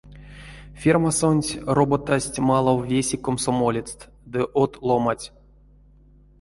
Фермасонть роботасть малав весе комсомолецт ды од ломанть.